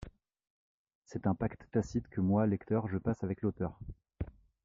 C’est un pacte tacite que moi, lecteur, je passe avec l’auteur.